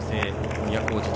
都大路で